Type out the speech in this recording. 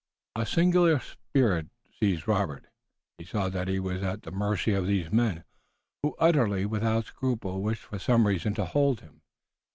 A singular spirit seized Robert. He saw that he was at the mercy of these men, who utterly without scruple wished for some reason to hold him.